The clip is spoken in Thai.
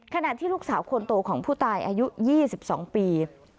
ขณะที่ลูกสาวคนโตของผู้ตายอายุ๒๒ปี